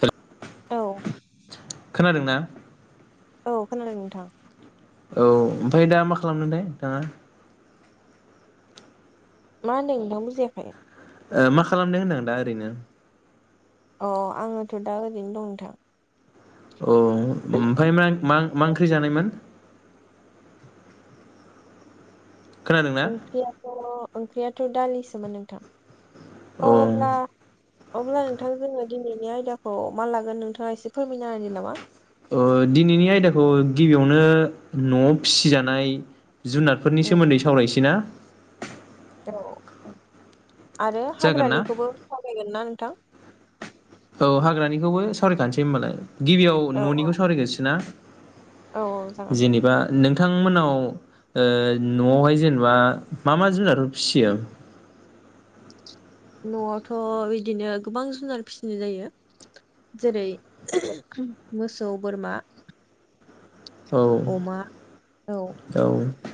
Hello. औ। खोनादों ना? औ खोनादों नोंथां। औ ओमफाय दा मा खालामदोंथाय नोंथाङा? मा होनदों नोंथां बुजियाखै? ओ मा खालामदों होनदों दा ओरैनो? अ' आङोथ' दा ओरैनो दं नोंथां। औ ओमफ्राय मा मा मा ओंख्रि जानायमोन? खोनादोंना ओंख्रियाथ' ओंख्रियाथ' दालिसोमोन नोंथां औ । अब्ला अब्ला नोंथां जोङो दिनैनि आयदाखौ मा लागोन नोंथाङा एसे फोरमायनो होनो नामा? ओ दिनैनि आयदाखौ गिबियावनो न'आव फिसिजानाय जुनादफोरनि उम सोमोन्दै सावरायसै ना? औ। आरो जागोन ना हाग्रानिखौबो सावरायगोन ना थां। औ हाग्रानिखौबो सावरायखानोसै होमबालाय। गिबियाव औ न'निखौ सावरायगोरसै ना? औ औ जागोन दे जेनेबा नों नोंथांमोननाव ओ न'आवहाय जेनेबा मा मा जुनारफोर फिसियो? न'आवथ' बिदिनो गोबां जुनार फिसिनाय जायो जेरै मोसौ, बोरमा औ अमा औ औ। [unintelligible]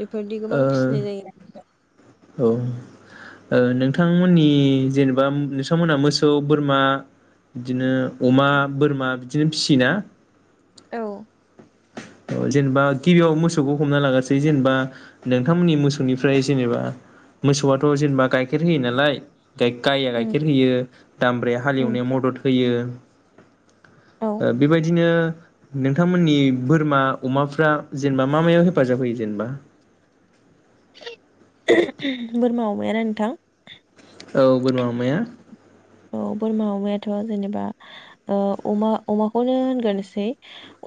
बेफोरदि गोबां फिसिनाय जायो। औ ओ नोंथांमोननि जेनेबा नोंथांमोनहा मोसौ बोरमा बिदिनो अमा बोरमा बिदिनो फिसियो ना? औ। जेनेबा गिबियाव मोसौखौ हमना लागासै जेनेबा नोंथांमोननि मोसौनिफ्राय जेनेबा मोसौआथ' जेनेबा गाइखेर होयो नालाय गाय गाइया उम गाइखेर होयो दामब्राया उम हालेवनायाव मदद होयो। औ ओ बेबायदिनो नोंथांमोननि बोरमा अमाफ्रा जेनेबा मा मायाव हेफाजाब होयो जेनेबा? बोरमा अमाया ना नोंथां? औ बोरमा अमाया। औ बोरमा अमायाथ' जेनेबा ओ अमा अमाखौनो होनग्रोसै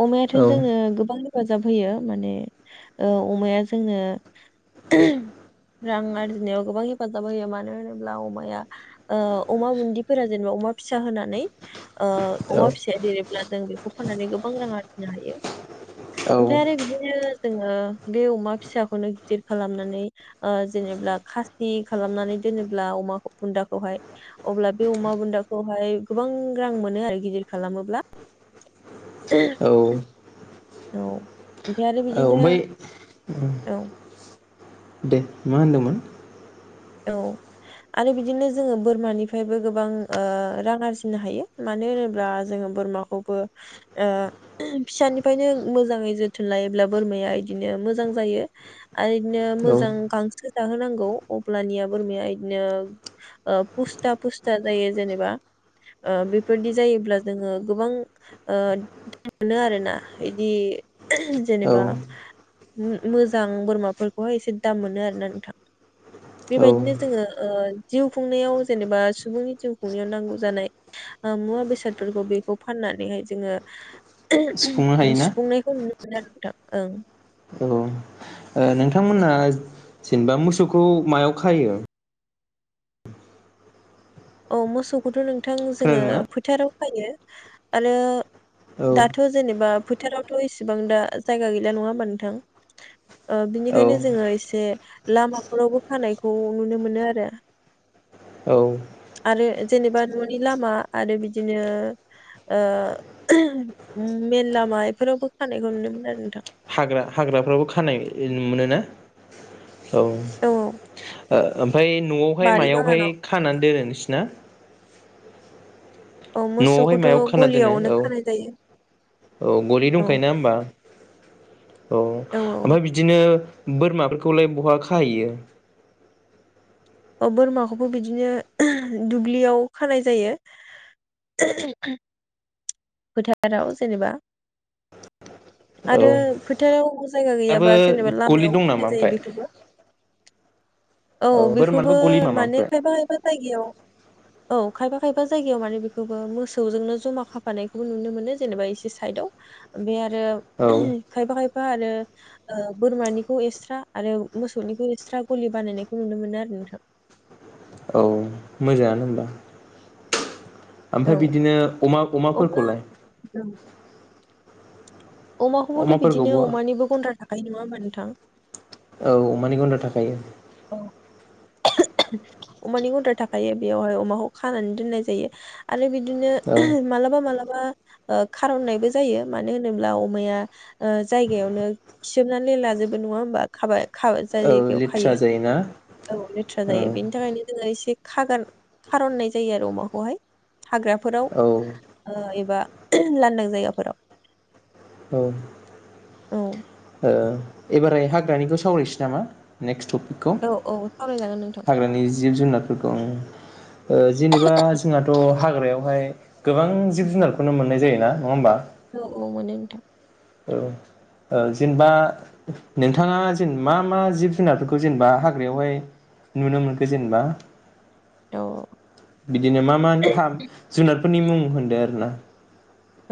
अमायाथ' औ जोङो गोबां रो हेफाजाब होयो माने ओ अमाया जोंनो रां आरजिनायाव गोबां हेफाजाब होयो मानो होनोब्ला अमाया ओ अमा बुन दिफोरा जेनेबा अमा फिसा होनानै ओ औ अमा फिसाया देरोब्ला जों बेखौ फाननानै गोबां रां आरजिनो हायो औ ओमफ्राय आरो बिदिनो जोङो बे अमा फिसाखौनो गिदिर खालामनानै ओ जेनेब्ला खासि खालामनानै दोनोब्ला अमाखौ बुन्दाखौहाय अब्ला बे अमा बुन्दाखौहाय गोबां रां मोनो आरो गिदिर खालामोब्ला [inaudible] औ। ओमफ्राय आरो औ बिदिनो मै औ दे मा होनदोंमोन? औ आरो बिदिनो जोङो बोरमानिफ्रायबो गोबां ओ रां आरजिनो हायो मानो होनोब्ला जोङो बोरमाखौबो ओ फिसानिफ्रायनो मोजाङै जोथोन लायोब्ला बोरमाया इदिनो मोजां जायो। आरो इदिनो औ मोजां गांसो जाहोनांगौ अब अब्लानिया बोरमाया बिदिनो ओ पुस्था पुस्था जायो जेनेबा ओ बेफोरदि जायोब्ला जोङो गोबां ओ थानो आरोना इदि जेनेबा औ मो मोजां बोरमाफोरखौहाय एसे दाम मोनो आरोना नोंथां। औ बेबायदिनो जोङो ओ जिउ खुंनायाव जेनेबा सुबुंनि जिउ खुंनायाव नांगौ जानाय ओ मुवा बेसादफोरखौ बेखौ फाननानैहाय सुफुंनो जोङो हायोना सुफुंनायखौ नु [unintelligible] ओं। औ ओ नोंथांमोनहा जेनबा मोसौखौ मायाव खायो? अ मोसौखोथ' नों नोंथां जोङो खोनादोंना फोथाराव खायो आरो औ दाथ' जेनेबा फोथारावथ' इसेबां दा जायगा गैला नङा होमबा नोंथां ओ औ बिनिखायनो जोङो एसे लामाफोरावबो खानायखौ नुनो मोनो आरो। औ आरो जेनेबा न'नि लामा आरो बिदिनो ओ मेन लामा इफोरावबो खानायखौ नुनो मोनो आरो नोंथां। हाग्रा हाग्राफ्राबो खानाय मोनो ना? औ ओ ओम ओमफ्राय न'आवहाय बारि मायावहाय बागानाव खानानै दोनो नोंसिना? औ न'आवहाय मोसौखौथ' मायाव खाना दोनो गलियावनो औ खानाय जायो औ गलि दंखायोना होमबा औ ओमफ्राय बिदिनो बोरमाफोरखौलाय बहा खाहैयो। बोरमाखौबो बिदिनो दुब्लियाव खानाय जायो। फोथाराव जेनेबा औ आरो फोथाराव जायगा दाबो गैयाबा जेनेबा गलि लामायाव दं नामा खानाय ओमफ्राय जायो बेखौबो औ बेखौबो बोरमानोबो गलि नामा माने ओमफ्राय खायफा-खायफा जायगायाव औ। खायफा-खायफा जायगायाव माने बेखौबो मोसौजोंनो जमा खा फानायखौबो नुनो मोनो जेनेबा एसे साइडआव बे आरो औ आरो खायफा खायफा खायफा आरो ओ बोरमानिखौ एक्सट्रा आरो मोसौनिखौ एक्सट्रा गलि बानायनायखौ नुनो मोनो आरो नोंथां औ मोजाङानो होमबा ओमफ्राय औ बिदिनो अमा अब्ला अमाफोरखौलाय औ, अमाखौबोथ' बिदिनो अमाफोरखौबो औ अमानिबो गन्द्रा था नङा होनबा नोंथां औ अमानि गन्द्रा थाखायो। औ अमानि गन्द्रा थाखायो बेयावहाय अमाखौ खानानै दोननाय जायो। आरो बिदिनो औ मालाबा माला ओ खार'ननायबो जायो मानो होनोब्ला अमाया ओ जायगायावनो खिसोबनानै लाजोबो नङा होमबा खाबा खाबा जाय औ जायगायाव लेथ्रा खायो। जायोना औ लेथ्रा औ जायो बेनि थाखायनो जोङो इसे खागार खार'ननाय जायो आरो अमाखौहाय। हाग्राफोराव औ ओ एबा लांदां जायगाफोराव औ औ ओ एबारै हाग्रानिखौ सावरायनोसै नामा नेक्स टप खौ औ औ सावरायजागोन नोंथां हाग्रानि जिब जुनारफोरखौ ओ जेनेबा जोंहाथ' हाग्रायाव ओमफाय गोबां जिब जुनारखौनो मोननाय जायो ना नङा होमबा औ औ मोनो नोंथां औ औ जेनेबा नोंथाङा मा मा जिब जुनारफोरखौ जेनेबा हाग्रायावहाय नुनो मोनखो जेनेबा औ बिदिनो मा मा जुनार फोरनि मुं होनदो आरोना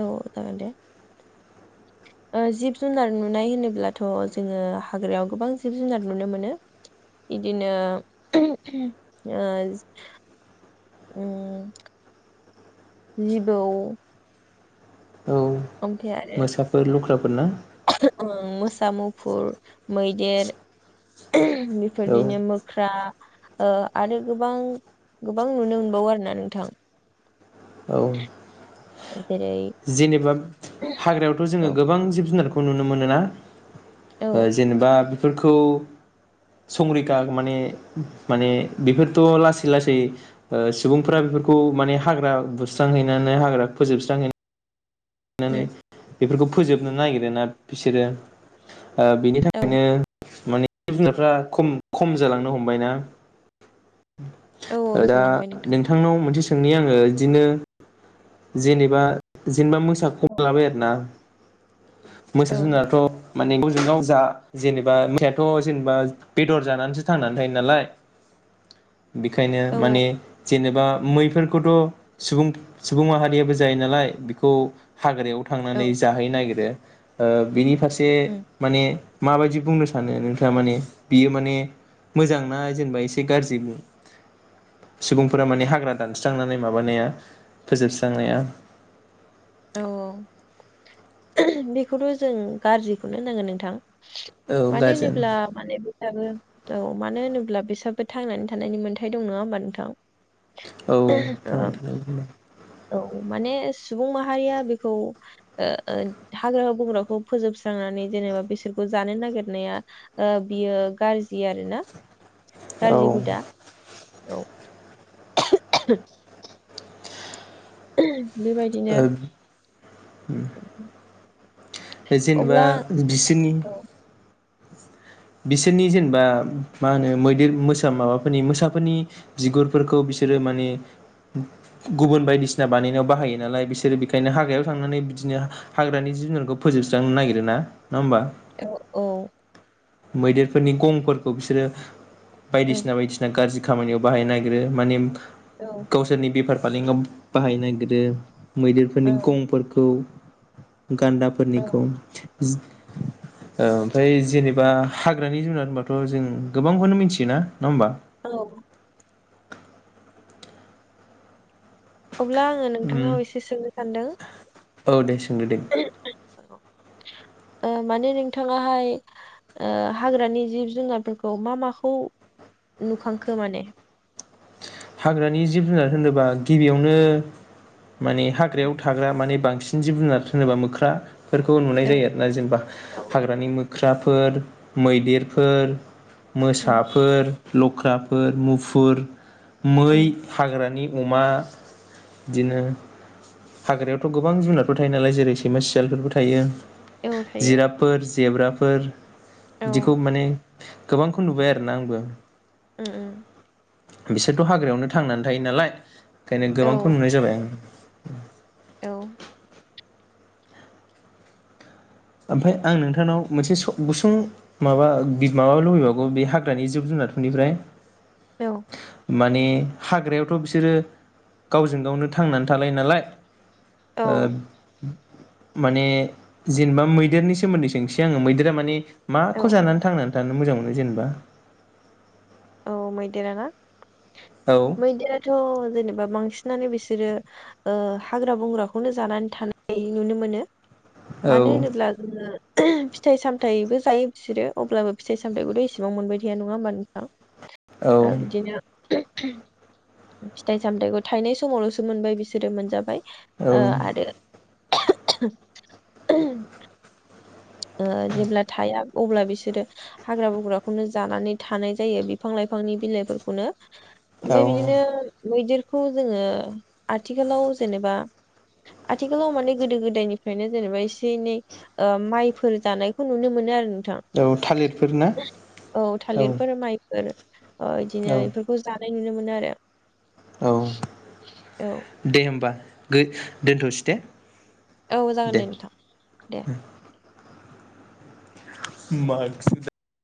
औ जागोन दे ओ जिब जुनार नुनाय होनोब्लाथ' जोङो हाग्रायाव गोबां जिब जुनार नुनो मोनो बिदिनो ओ जिबौ औ ओमफ्राय आरो मोसाफोर लख्राफोर ना सा मुफुर मैदेर औ बेफोरदिनो मोख्रा ओ आरो गोबां गोबां नुनो मोनबावो आरो ना नोंथां औ औ जेनेबा हाग्रायावथ' जोङो औ गोबां जिब जुनारखौ खौ नुनो मोनो ना औ जेनेबा बेफोरखौ संरैखा माने माने बेफोरथ' लासै लासै ओ सुबुंफ्रा बेफोरखौ माने हाग्रा बुस्रांहैनानै हाग्रा फोजोबस्रांहैनानै उम [unintelligible] बेफोरखौ फोजोबनो नागिरोना बिसोरो ओ बिनि औ थाखायनो माने जिब जुनारफ्रा खम खम जालांनो हमबायना औ दा जालांबाय नोंथां नोंथांनाव मोनसे सोंनि आङो बिदिनो जेनेबा जेनेबा मोसाखौ औ हमना लाबाय आरो ना मोसा औ जुनाराथ' माने गावजों गाव जा जेनेबा मोसायाथ' जेनेबा बेदर जानानैसो थांनानै थायो नालाय बेखायनो औ माने जेनेबा मैफोरखौथ' सुबुं सुबुं माहारियाबो जायो नालाय बेखौ हाग्रायाव औ थांनानै जाहैनो नागिरदों ओ बिनि फारसे उम से माने माबायदि बुंनो सानो नोंथाङा माने बियो माने मोजांना जेनेबा एसे गाज्रि सुबुंफोरा माने हाग्रा दानस्रांनानै माबानाया फोजोबस्रांनाया औ बेखौथ' जों गाज्रिखौनो होननांगोन नोंथां औ मानो गाज्रियानो होनोब्ला माने औ मानो होनोब्ला बिसोराबो थांनानै थानायनि मोनथाय दं, नङा होनबा नोंथां? ओ, औ। औ माने सुबुं माहा हारिया बेखौ हाग्रा-बंग्राखौ फोजोबस्रांनानै जेनेबा बिसोरखौ जानो नागिरनाया बियो गाज्रि आरो ना। औ गाज्रि ओ हुदा औ [unintelligible] उ [unintelligible] ओ [inaudible] दे जेनेबा अब्ला बिसोरनि औ बिसोरनि जेनेबा मा होनो मैदेर मोसा माबाफोरनि मोसाफोरनि बिगुरफोरखौ बिसोरो माने गुबुन बायदिसिना बानायनायाव बाहायो नालाय बिसोरो बेखायनो हाग्रायाव थांनानै बिदिनो हाग्रानि जिब-जुनारखौ फोजोबस्रांनो नागिरो, ना नङा होमबा? औ-औ मैदेरफोरनि गंफोरखौ बिसोरो औ बायदिसिना बायदिसिना गाज्रि खामानियाव बाहायनो नागिरो माने औ गावसोरनि बिफार-फालांगि फालांगियाव बाहायनो नागिरो औ मैदेरफोरनि गंफोरखौ गान्दाफोरनिखौ औ ओ ओमफ्राय जेनेबा बा हाग्रानि जुनार होनबाथ' जों गोबांखौनो मिथियोना नङा होमबा? औ। अब्ला आङो उम नोंथांनाव एसे सोंनो सानदों। औ दे सों सोंदो दे। ओ माने नोंथाङाहाय हाग्रानि जिब-जुनारफोरखौ मा माखौ नुखांखो माने? हाग्रानि जिब-जुनार होनोबा गिबियावनो माने हाग्रायाव थाग्रा माने बांसिन जिब-जुनार होनोबा मोख्रा। फोरखौ नुनाय औ जायो आरोना जेनेबा औ हाग्रानि मोख्रा। [unintelligible] सिुथ्राफोर मैदेरफोर उम मोसाफोर लख्राफोर, मुफुर मै उम हाग्रानि अमा बिदिनो हाग्रायावथ' गोबां जुनारफोर थायो नालाय जेरै सैमा सियालफोरबो थायो। औ थायो जिराबफोर जेब्राफोर औ बिदिखौ उम माने गोबांखौ नुबाय आरोना आंबो। औ-औ। बि [unintelligible] बिसोरथ' हाग्रायावनो थांनानै थायो नालाय। खायनो औ गोबांखौ नुनाय जाबाय ओं। [inaudible] औ। ओमफाय आं नोंथांनाव मोनसे स गुसुं माबा माबा लुबैबावगौ बे हाग्रानि जिब जुनारफोरनिफ्राय औ मानि हाग्रायावथ' बिसोरो गावजों गावनो थांनानै थालायो नालाय ओ औ माने जेनेबा मैदेरनि सोमोन्दै सोंसै आङो मैदेरा मानि माखौ औ जानानै थांनानै थानो मोजां मोनो जेनेबा? औ मैदेरा ना औ मैदराथ' जेनेबा बांसिनानो बिस सोरो हाग्रा बंग्राखौनो जानानै थानाय नुनो मोनो। मानो औ होनोब्ला जोङो फिथाइ सामथायाइबो जायो बिसोरो अब्लाबो फिथाइ सामथायाइखौथ' एसेबां मोनबाय थाया नङा होमबा नो थां। ओ औ बिदिनो फिथाइ सामथायाइखौ थायनाय समावल'सो मोनबाय बिसोरो मोनजाबाय ओ आरो [inaudible] ओ जेब्ला थाया अब्ला बिसोरो हाग्रा बुग्राखौनो जानानै थानाय जायो बिफां लाइफांनि बिलाइफोरखौनो। औ ओमफाय बिदिनो मैदेर खौ जोङो आथिखालाव जेनेबा आथिखालाव माने गोदो -गोदायनिफ्रायनो जेनेबा एसे एनै माइ फोर जानायखौ नुनो मोनो आरो। औ थालिरफोर ना औ थालिरफोर, माइफोर ओ इदिनो औ इफोरखौ जा नाय नुनो मोनो आरो। औ औ दे होमबा। दो दोनथ'स दे। औ जागोन दे नोंथां दे। [unintelligible]